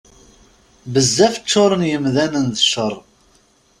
Bezzaf ččuṛen yemdanen d cceṛ.